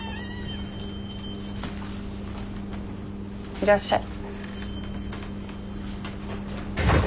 いらっしゃい。